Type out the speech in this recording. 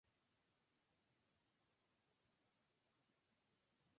Priorizando así sobre cualquier otro tipo de uso ajeno a la canalización de fluidos.